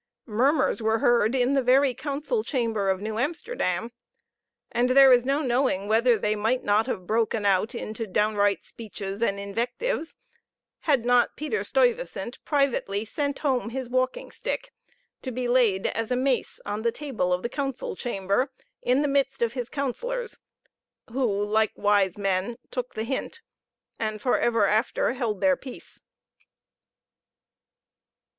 Murmurs were heard in the very council chamber of New Amsterdam; and there is no knowing whether they might not have broken out into downright speeches and invectives, had not Peter Stuyvesant privately sent home his walking stick to be laid as a mace on the table of the council chamber, in the midst of his counsellors, who, like wise men, took the hint, and for ever after held their peace.